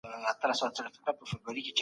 سالم ذهن فشار نه زیاتوي.